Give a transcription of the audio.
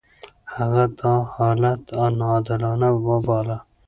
هغه دا حالت ناعادلانه وباله.